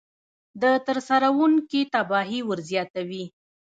د ترسروونکي تباهي ورزیاتوي.